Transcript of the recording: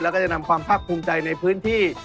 แล้วก็จะนำความภาคภูมิใจในพื้นที่